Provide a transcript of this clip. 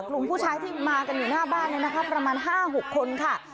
กลุ่มผู้ชายที่มากันอยู่หน้าบ้านนะครับประมาณห้าหกคนค่ะ